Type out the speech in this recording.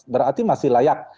berarti masih layak